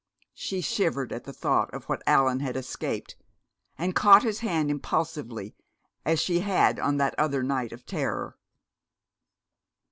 She shivered at the thought of what Allan had escaped, and caught his hand impulsively, as she had on that other night of terror.